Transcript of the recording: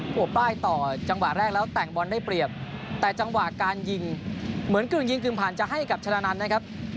หัวป้ายต่อจังหวะแรกแล้วแต่งบอลได้เปรียบแต่จังหวะการยิงเหมือนกึ่งยิงกึ่งผ่านจะให้กับชนะนันต์นะครับ